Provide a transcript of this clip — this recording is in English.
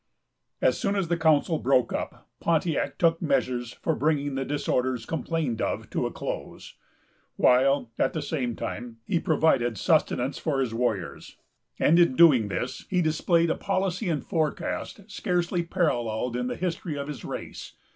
As soon as the council broke up, Pontiac took measures for bringing the disorders complained of to a close, while, at the same time, he provided sustenance for his warriors; and, in doing this, he displayed a policy and forecast scarcely paralleled in the history of his race.